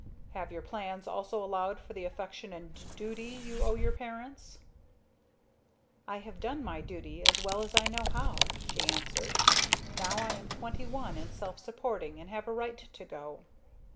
"Have your plans also allowed for the affection and duty you owe your parents?" "I have done my duty as well as I know how," she answered. "Now I am twenty one, and self supporting and have a right to go."